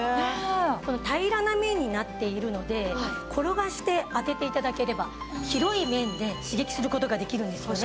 平らな面になっているので転がして当てて頂ければ広い面で刺激する事ができるんですよね。